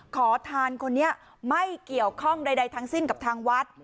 ขอทานคนนี้ไม่เกี่ยวข้องใดทั้งสิ้นกับทางวัด